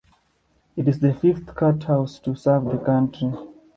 It is the fifth courthouse to serve the county.